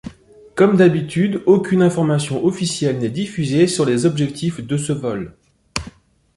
Comme d'habitude, aucune information officielle n'est diffusée sur les objectifs de ce vol.